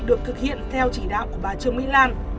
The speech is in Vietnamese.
được thực hiện theo chỉ đạo của bà trương mỹ lan